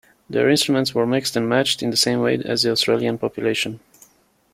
Their instruments were mixed and matched in the same way as the Australian population.